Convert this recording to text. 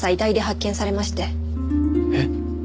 えっ？